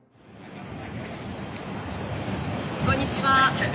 こんにちは。